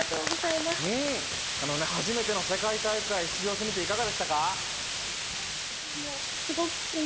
初めての世界大会、出場してみていかがでしたか？